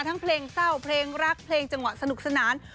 เพลงเศร้าเพลงรักเพลงจังหวะสนุกสนาน